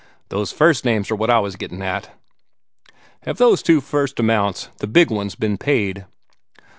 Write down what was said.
"Those first names are what I was getting at. Have those two first amounts, the big ones, be'n paid?"